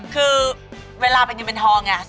คือเวลาเป็นเงินเป็นทองไง